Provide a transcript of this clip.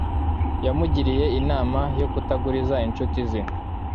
Yamugiriye inama yo kutaguriza inshuti ze